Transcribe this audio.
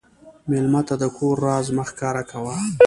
مېلمه ته د کور راز مه ښکاره کوه.